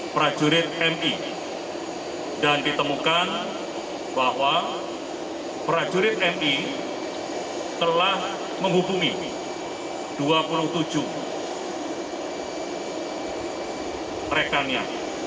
prajurit mi dan ditemukan bahwa prajurit mi telah menghubungi dua puluh tujuh rekannya